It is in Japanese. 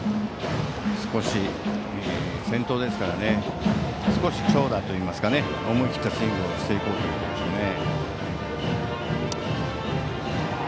先頭ですから少し長打といいますか思い切ったスイングをしていこうということでしょうかね。